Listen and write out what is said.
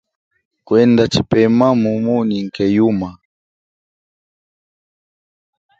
Kwenda tshipema mumu unyike yuma.